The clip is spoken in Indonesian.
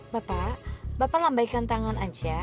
bapak bapak lambaikan tangan aja